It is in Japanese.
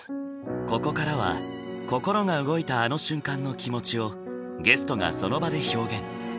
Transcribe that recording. ここからは心が動いたあの瞬間の気持ちをゲストがその場で表現。